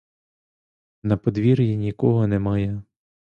На подвір'ї нікого немає.